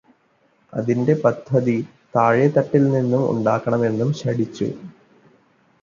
അതിന്റെ പദ്ധതി താഴേത്തട്ടിൽ നിന്നും ഉണ്ടാക്കണമെന്നും ശഠിച്ചു.